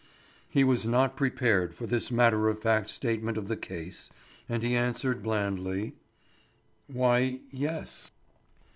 He was not prepared for this matter of fact statement of the case, and he answered blandly: "Why, yes."